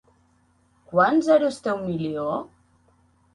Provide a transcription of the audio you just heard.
Quants zeros té un milió?